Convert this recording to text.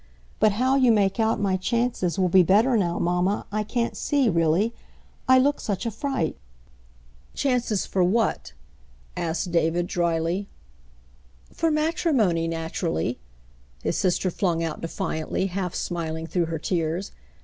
"But how you make out my chances will be better now, mamma, I can't see, really, — I look such a fright." "Chances for what V asked David, dryly. "For matrimony — naturally," his sister flung out defiantly, half smiling through her tears.